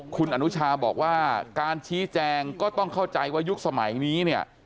คุณอนุชาบอกว่าการชี้แจงก็ต้องเข้าใจว่ายุคสมัยนี้เนี่ย